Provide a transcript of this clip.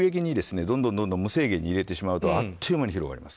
急激に無制限に入れてしまうとあっという間に広がります。